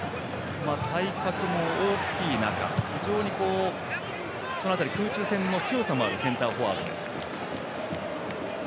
体格も大きい中非常に、その辺り空中戦の強さもあるセンターフォワードです。